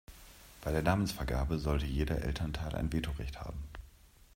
Bei der Namensvergabe sollte jeder Elternteil ein Veto-Recht haben.